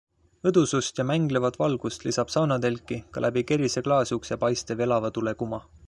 Õdusust ja mänglevat valgust lisab saunatelki ka läbi kerise klaasukse paistev elava tule kuma.